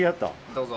どうぞ。